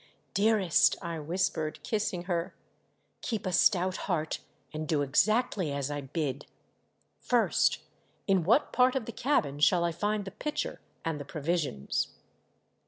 "Dearest,' I whispered, kissing her, "keep a stout heart and do exactly as I bid. First, in what part of the cabin shall I lind the pitcher and the provisions